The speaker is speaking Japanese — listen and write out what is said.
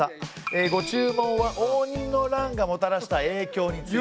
えご注文は応仁の乱がもたらした影響について。